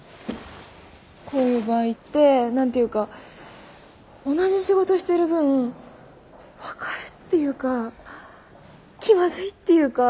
こういう場合って何て言うか同じ仕事してる分分かるっていうか気まずいっていうか。